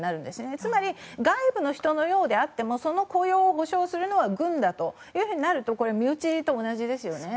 つまり外部の人のようであってもその雇用を保証するのは軍となると身内と同じですよね。